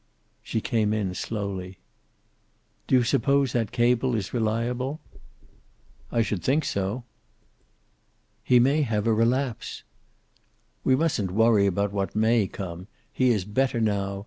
She came in, slowly. "Do you suppose that cable is reliable?" "I should think so." "He may have a relapse." "We mustn't worry about what may come. He is better now.